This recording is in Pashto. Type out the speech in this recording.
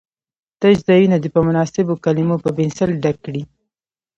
تش ځایونه دې په مناسبو کلمو په پنسل ډک کړي.